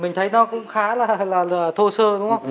mình thấy nó cũng khá là thô sơ đúng không